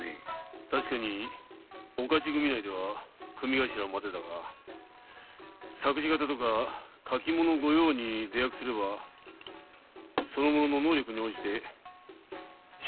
確かにお徒組内では組頭までだが作事方とか書き物御用に出役すればその後の能力に応じて昇進する事ができる。